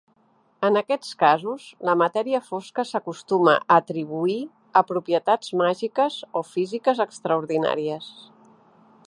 En aquests casos, la matèria fosca s'acostuma a atribuir a propietats màgiques o físiques extraordinàries.